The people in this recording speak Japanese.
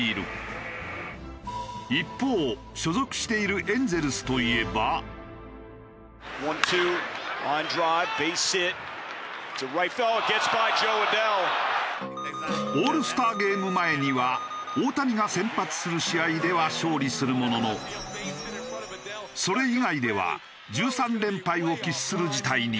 一方所属しているオールスターゲーム前には大谷が先発する試合では勝利するもののそれ以外では１３連敗を喫する事態に。